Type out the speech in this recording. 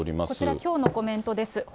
こちら、きょうのコメントです。